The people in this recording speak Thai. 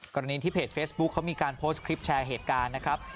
กรณีที่เพจเฟซบุ๊คเขามีการโพสต์คลิปแชร์เหตุการณ์นะครับ